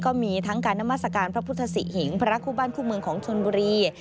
ก็มีทั้งการนามัศกาลพระพุทธศิหิงพระคู่บ้านคู่เมืองของชนบุรี